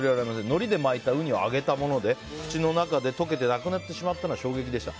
のりで巻いたウニを揚げたもので口の中で溶けてなくなってしまったのは衝撃でした。